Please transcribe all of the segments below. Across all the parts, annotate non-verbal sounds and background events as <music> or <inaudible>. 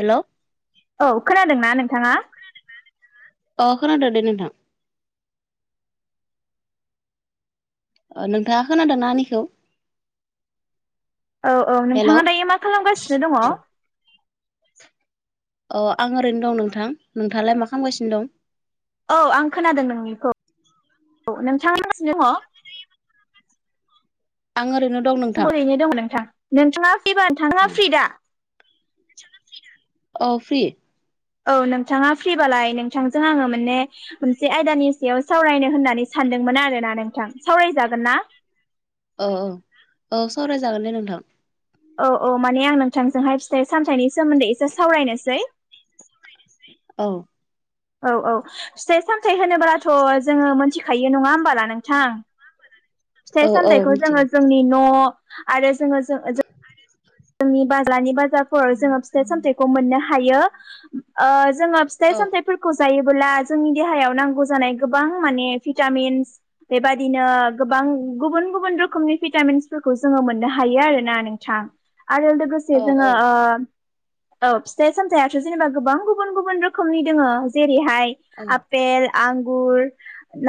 हेल'। औ खोनादोंना नोंथाङा। खोनादो ना नोंथाङा अ खोनादो दे नोंथां। ओ नोंथाङा खोनादोंना आंनिखौ। औ औ हेलौ नोंथाङा दायो मा खालामगासिनो दङो। अ आं ओरैनो दं नोंथां नोंथाङालाय मा खामगासिनो दं। औ आं खोनादों नोंनिखौ औ नोंथाङा मा खामगासिनो दङ। आं ओरैनो दं नों आंबो ओरैनो दं नोंथां नोंथाङा फ्रिबा नोंथाङा फ्रि दा। औ फ्रि। औ नोंथाङा फ्रिबालाय नोंथांजों आङो माने। मोनसे आयदानि सायाव सावरायनो होननानै सानदोंमोन आरोना नोंथां सावरायजागोन ना। औ औ औ सावरायजागोन दे नोंथां। औ औ माने आं नोंथांजोंहाय फिथाइ सामथाइनि सोमोन्दै एसे सावरायनोसै। औ। औ औ फिथाइ सामथाय होनोब्लाथ जोङो मोनथिखायो नङा होमबाला नों थां फिथाइ औ औ सामथाइखौ मिथिगौ जोङो जोंनि न' आरो जोङो जों जोङो। आरो जोङो। जोंनि बाज्लानि बाजारफोराव जोङो फिथाइ सामथाइखौ मोननो हायो ओ जोङो। फिथाइ औ सामथाइफोरखौ जायोबोला जोंनि देहायाव नांगौ जानाय गोबां माने भिटामिन्स। बेबादिनो गोबां गुबुन गुबुन रोखोमनि भिटामिन्सफोरखौ जोङो मोननो हायो आरोना नोंथां। आरो लोगोसे औ जोङो औ ओ। औ फिथाइ सामथायाइथ' जेनेबा गोबां गुबुन गुबुन रोखोमनि दोङोजेरैहाय औ आ‌ आपेल आंगुर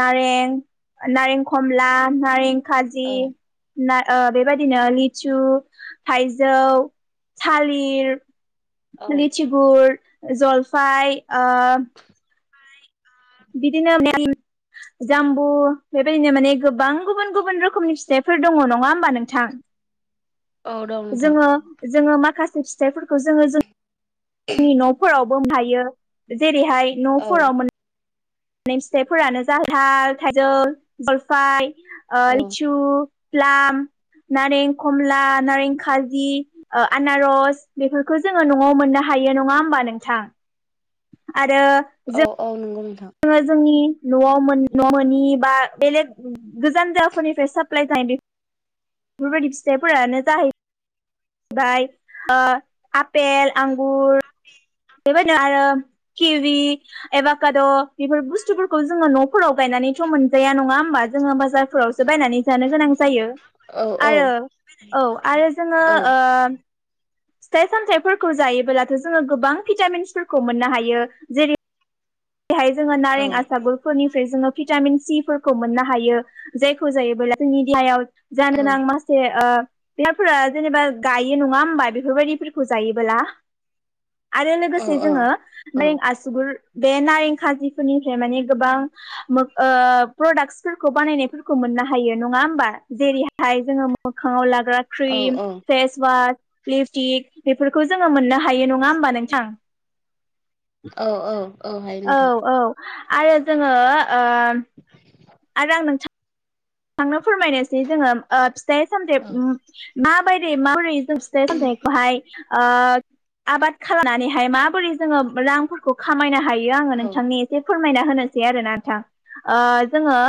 नारें नारें खमला नारें खाजि औ ना ओ बेबायाददिनो लिसु थाइजौ थालिर औ लिसि गुर जलफाय ओ <unintelligible> बिदिनो <unintelligible> जाम्बु बेबायदिनो माने गोबां गुबुन गुबुन रोखोमनि फिथाइफोर दङ नङा होमबा नोंथां। औ दं नोंथां जोङो जोङो माखासे फिथाइफोरखौ जोङो जों जोंनि न'फोरावबो मोन हायो जेरैहाय औ न'फोराव मोन मोननाय फिथाइफोरानो खानथाल थाइजौ जलफाय औ लिचु प्लाम नारें कमला नारें खाजि ओ आनारस बेफोरखौ जोङो न'आव मोननो हायो नङा होमबा नोंथां। आरो औ औ नंगौ नोंथां। जोङो जोंनि न'आव न' मोननि बा बेलेग गोजान जागाफोरनिफ्राय साप्लाय जानाय बे बेफोरबायदि फिथाइफोरानो जाहै आमलाइ आपेल आंगुर आपे बेबायदिनो आरो किवि एबा खाद' बेफोर बुस्थुफोरखौ जोङो न' फोराव गायनानैथ' मोनजाया नङा होमबा जोङो बाजारफोरावसो बायनानै जानो गोनां जायो औ औ आरो औ आरो जोङो औ ओ फिथाइ सामथाइफोरखौ जायोबोब्लाथ' जोङो गोबां भिटामिन्सफोरखौ मोननो हायो जेरै बेहाय जोङो औ नारें आसार फोरनिफ्राय जोङो भिटामिन सिफोरखौ मोननो हायो जायखौ जायो जोंनि देहायाव औ जानो नां मास ए ओ बिरफोरा जेनेबा गायो नङा होमबा बेफोरबायदिफोरखौ जायोबोला आरो लोगोसे औ औ जोङो नै आसुगुर बे नारें खाजिफोरनिफ्राय माने गोबां ओ प्रडाक्सफोरखौ बानायनायफोरखौ मोननो हायो नङा होमबा जेरै नाथाय जोङो मोखाङाव लाग्रा औ क्रिम फेसवास लिपस्टिक बेफोरखौ जोङो मोननो हायो नङा होमबा नोंथां औ औ हायो औ नोंथां औ आरो जोङो ओ आरो आं नोंथां थांनो फोरमायनोसै जोङो ओ फिथाइ सामथे औ ओ माबादियै माबोरै जों फिथाइ सामथाइखौहाय ओ आबाद खालामनानैहाय माबोरै जोङो रां खौ खामायनो हायो आङो औ नोंथांनि एसे फोरमायना होनोसै आरोना नोंथां ओ जोङो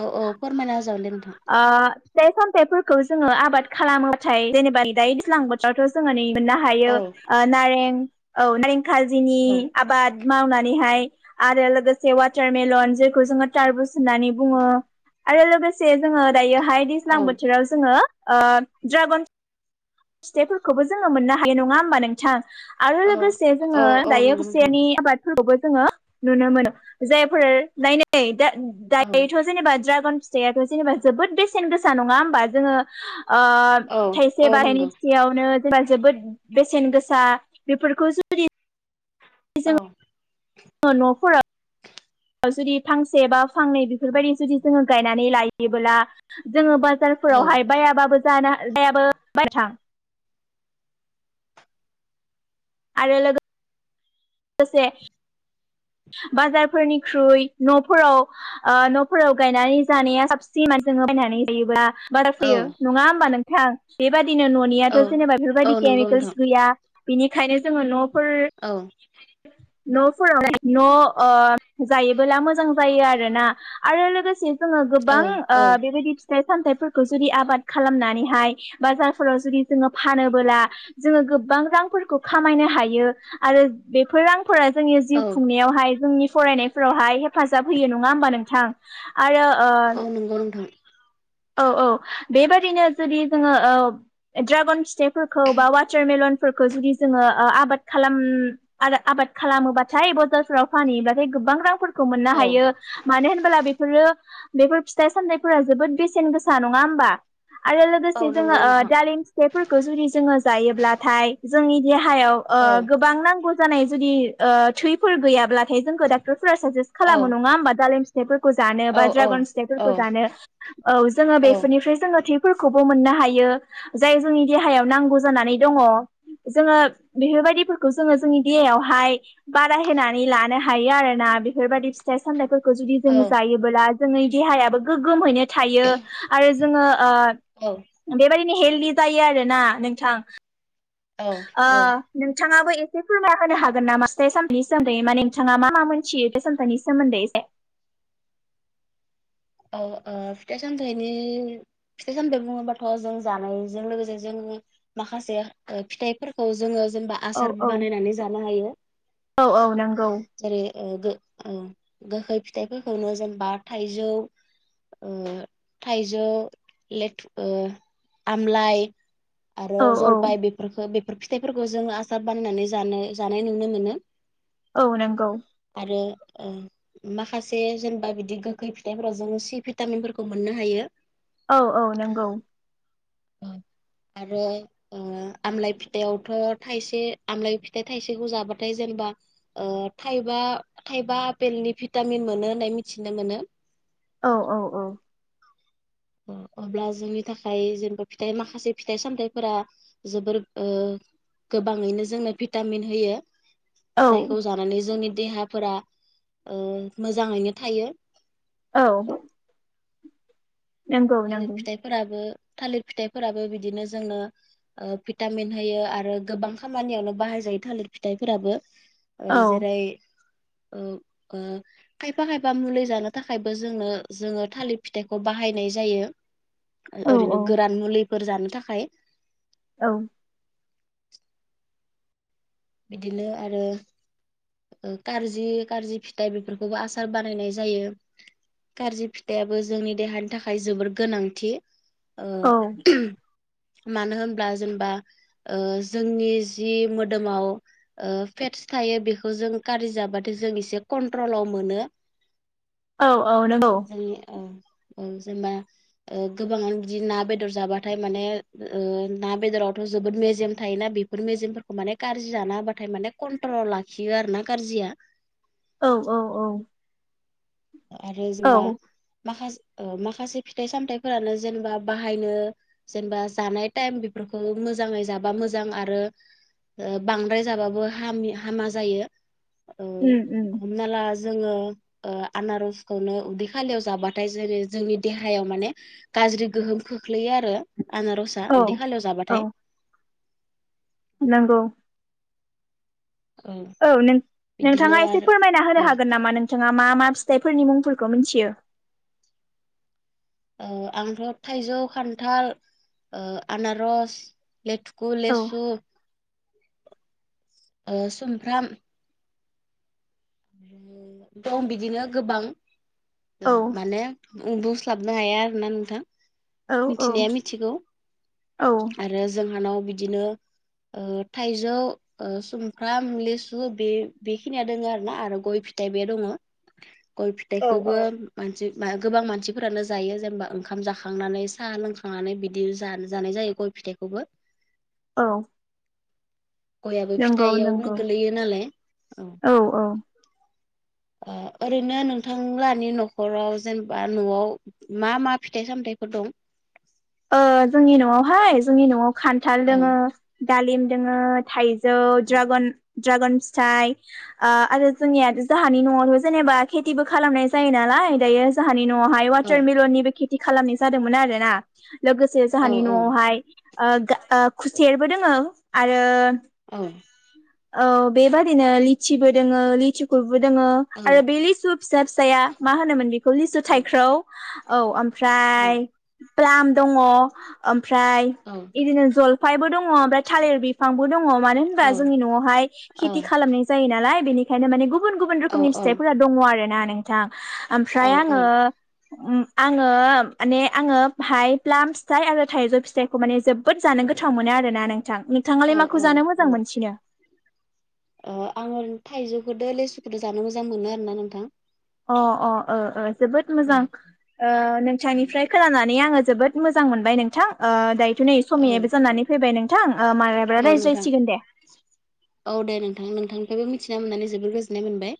औ औ फोरमायना होजागोनदे नोंथां ओ फिथाइ सामथायाइफोरखौ जोङो आबाद खालामोथाय जेनेबा दायो दैजलां दाथ' जोङो नै मोननो हायो औ नारें औ नारें खाजिनि औ आबाद मावनानैहाय आरो लोगोसे वाटारमेलन जेखौ जोङो टारबुस होननानै बुङो आरो लोगोसे जोङो दायोहाय औ दैज्लां बोथोराव जोङो ओ ड्रागन फिथाइफोरखौबो जोङो मोननो हायो नङा होमबा नोंथां आरो औ लोगोसे औ जोङो औ दायो नंगौ नोंथां खुसेरनि आबाद बो जोङो नुनो मोनो जायफोर नायनाय दा औ दायोथ' जेनेबा द्रागन फिथाइयाथ' जेनेबा जोबोद बेसेन गोसा नङा होमबा जोङो ओ औ थाइसे औ नंगौ बाहायनि यावनो जेनेबा जोबोद बेसेन गोसा बेफोरखौ जुदि औ न'खर <unintelligible> जुदि फांसे बा फांनै बेफोरबायदि जुदि जोङो गायनानै लायोब्ला जोङो बाज औ फोरावहाय बायाबाबो जानो बायाबो बाय नोंथां आरो दसे बाजारफोरनिख्रुइ न'फोराव न'फोराव गायनानै जानाया साबसिनमान जों बायनानै जायोब्ला बारा औ फैयो नङा होमबा नोंथां बेबायदिनो औ न'नियाथ' जेनेबा औ बेफोरबायदि नंगौ नोंथां केमिकेल्स गैया बिनिखायनो जोङो न'फोर औ न' फोरावहाय न' जायोबोला मोजां जायो आरोना आरो लोगोसे जोङो औ गोबां औ बेबायदि फिथाइ सामथाइफोरखौ जुदि आबाद खालामनानैहाय बाजारफोराव जुदि जोङो फानोबोला जोङो गोबां रांफोरखौ खामायनो हायो आरो बेफोर रांफोरा जोंनि जिउ औ खुंनायावहाय जोंनि फरायनायफोरावहाय हेफाजाब होयो नङा होमबा नोंथां आरो ओ औ नंगौ नोंथां औ औ बेबादिनो जुदि जोङो ओ ड्रागन फिथाइफोरखौ बा व टार मेलनफोरखौ जुदि जोङो आबाद आबाद खालामोबाथाय बाजारफ्राव फानहैयोबाथाय गोबां रांफोरखौ मोननो औ हायो। मानो होनबोला बेफोरो बेफोर फिथाइ सामथाइफोरा जोबोद बेसेन गोसा नङा होमबा? आरो लोगोसे औ जोङो नंगौ नोंथां दालिम फिथाइफोरखौ जुदि जोङो जायोब्लाथाय जोंनि देहायाव औ गोबां नांगौ जानाय जुदि थैफोर गैयाब्ला न जोंखौ डाक्टरफोरा साजेस्ट औ खालामो नङा होमबा दालि फिथाइफोरखौ औ जानोबा औ औ द्रागन औ औ फिथाइफोरखौ जानो औ जोङो औ औ बेफोरनिफ्राय जोङो थिब फोरखौबो मोननो हायो जाय जोंनि देहायाव नांगौ जानानै दङ। जोङो बेफोरबायदिफोरखौ जोङो जोंनि देहायावहाय बाराय होनानै लानो हायो आरोना बेफोरबायदि फिथाइ सामथाइफोरखौ जुदि जों जायोबोला। जोंनि देहायाबो गोग्गोमैनो थायो आरो जोङो बेबायदिनो हेलडि जायो आरोना नोंथां। ओ नोंथाङाबो एसे फोरमायना होनो हागोन नामा बे <unintelligible> औ ओ फिथाइ सामथाइनि फिथाइ सामथाइ बुङोबाथ' जों जानायजों लोगोसे जों माखासे फिथाइफोरखौ जोङो जेनेबा औ आसार औ बानायनानै जानो हायो। औ औ नंगौ जेरै गोखै फिथाइफोरखौनो जेनबा थाइजौ थाइजौ लेथु ओ आमलाइ आरो औ औ जलफाय बेफोरखौ बेफोर फिथाइफोरखौ जोङो आसार बानायनानै जानो जानाय नुनो मोनो। औ नंगौ। आरो ओ माखासे जेनेबा बिदि गोखै फिथाइफोराव ज जोङो सि भिटामिनफोरखौ मोननो हायो। औ औ नंगौ। <inaudible> आरो आमलाय फिथाइावथ' थाइसे आमलााय फिथाइ थाइसेखौ जाबाथाय जेनेबा थाइबा थाइबा आपेलनि भिटामिन मोनो होननाय मिथिनो मोनो। औ औ औ। अब्ला जोंनि थाखाय जेनेबा फिथाइ माखासे फिथाइ सामथायाइफोरा जोबोर ओ गोबाङैनो जोंनो भिटामिन होयो। औ जायखौ जानानै जोंनि देहाफोरा ओ मोजाङैनो थायो। औ नंगौ थालिर नंगौ फिथाइफोराबो थालिर फिथाइफोराबो बिदिनो जोंनो ओ भिटामिन होयो आरो गोबां खामानियावनो बाहाय जायो थालिर फिथाइफोराबो ओ औ जेरै ओ ओ खायफा खायफा मुलि जानो थाखायबो जोंनो जोङो थालिर फिथाइखौ बाहायनो नाय जायो औ ओरैनो गोरान मुलिफोर जानो थाखाय औ। बिदिनो आरो कारजि कारजि फिथाइ बेफोरखौबो आसार बानायनाय जायो। कारजि फिथाइआबो जोंनि देहानि थाखाय जोबोर गोनांथि। ओ औ उम मानो होनब्ला जेनेबा ओ जोंनि जि मोदोमाव ओ फेटस थायो बे खौ जों कारजि जाबाथाय जों एसे कन्ट्रलाव मोनो औ नंगौ जोंनि ओ ओ जेनबा ओ गोबाङानो बिदि ना बेदर जाबाथाय माने ओ ना बेदरावथ' जोबोद मेजेम थायोना बे बेफोर मेजेमफोरखौ माने कारजि जाना होबाथाय माने कन्ट्रलाव लाखियो आरो ना कारजिया औ औ औ। आरो औ जेनबा माखासे ओ माखासे फिथाइ- सामथाइफोरानो जेनेबा बाहायनो जेनेबा जानाय टाइम बेफोरखौ मोजाङै जाबा मोजां आरो ओ बांद्राय जाबाबो हामि हामा जायो। ओ उम उम हमना ला जोङो ओ आनारसखौनो उदै खालियाव जाबाथाय जेरै जोंनि देहायाव माने गाज्रि गोहोम खोख्लैयो आरो आनारसा औ उदै खालिआव औ जाबाथाय। नंगौ। औ बिदिनो नों-नोंथाङा एसे आरो फोरमायना औ होनो हागोन नामा नोंथाङा मा मा फिथाइफोरनि मुंफोरखौ मिथियो? ओ आंथ' थाइजौ, खान्थाल ओ आनारस लेथुखु, औ लेसु ओ सुमफ्राम दं बिदिनो गोबां औ माने <unintelligible> <unintelligible> हाया आरोना नोंथां औ औ मिथिनाया मिथिगौ। औ आरो जोंहानाव बिदिनो थाइजौ, सुमफ्राम, लेसु बे बेखिनिया दङो आरो। <unintelligible> आरो गय फिथाइ बे दङ गय औ फिथाइखौबो औ मानसि मा गोबां मानसिफोरानो जायो जेनबा ओंखाम जाखांनानै साहा लोंखांनानै बिदि जानो जानाय जायो गय फिथाइखौबो औ। गयाबो नंगौ फिथाइयावनो नंगौ गोलैयो नालाय औ। औ औ ओ ओरैनो नोंथांलानि न'खराव जेनेबा न'आव मा मा फिथाइ- सामथाइफोर दं? ओ जोंनि न'आवहाय जोंनि न'आव खान्थाल दं दोङो दालिम दोङो <unintelligible> <unintelligible> औ ड्रागन-ड्रागन फिथाइ ओ आरो जोंनिया जाहानि न'आवनो जेनेबा खेथिबो खालामनाय जायो नालाय दायो जाहानि न'आवहाय बे औ वाटारमेलननिबो खेथि खालामनाय जादोंमोन आरोना लोगोसे औ जाहानि न'आवहाय ओ ओ खुसेरबो दोङो आरो औ। औ बेबादिनो लिचिबो दोङो लिथिखुबो दोङो। औ आरो बे लिसु फिसा फिसाया मा होनोमोन बेखौ लिसु औ थाइख्राव। औ औ ओमफ्राय प्लाम दङ ओमफ्राय बिदिनो ज'लफायबो दङ ओमफ्राय थालिर बिफांबो दङ मानो होनबा जोंनि न'आवहाय औ खेथि खालामनाय जायो नालाय बेनिखायनो माने गुबुन गुबुन औ रोखोमनि फिथाइफोरा दङ आरोना नोंथां ओमफ्राय आङो औ आङो माने आङो बाहाय प्लाम फिथाइ आरो थाइजौ फिथाइ -खौ माने जोबोद जानो गोथाव मोनो आरो ना नोंथां। नोंथाङालाय माखौ जानो मोजां औ मोनसिनो? आङो थाइजौखौदो लेसुखौदो जानो मोजां मोनो आरोना नोंथां। अ अ ओ जोबोद औ मोजां। ओ औ नोंथांनिफ्राय खोनानानै आङो जोबोद मोजां मोनबाय नोंथां ओ दायो दिनै समयाबो जानानै फैबाय नोंथां माब्लाबा औ नोंथां रायज्लायसिगोन दे। औ दे नोंथां। नोंथांनिफ्रायबो मिथिना मोननानै जोबोर गोजोननाय मोनबाय।